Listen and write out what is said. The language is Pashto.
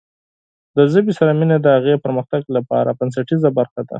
د ژبې سره مینه د هغې پرمختګ لپاره بنسټیزه برخه ده.